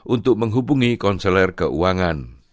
untuk menghubungi konseler keuangan